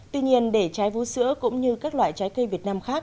tuy nhiên để trái vú sữa cũng như các loại trái cây việt nam khác